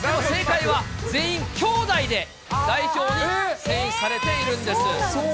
正解は、全員きょうだいで、代表に選出されているんです。